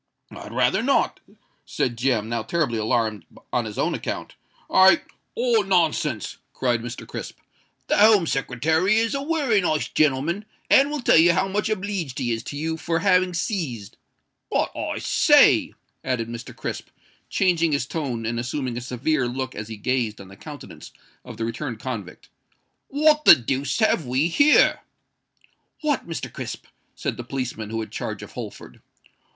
"I'd rather not," said Jem, now terribly alarmed on his own account: "I——" "Oh! nonsense," cried Mr. Crisp. "The Home Secretary is a wery nice genelman, and will tell you how much obleeged he is to you for having seized——But, I say," added Mr. Crisp, changing his tone and assuming a severe look as he gazed on the countenance of the returned convict, "what the deuce have we here?" "What, Mr. Crisp?" said the policeman, who had charge of Holford.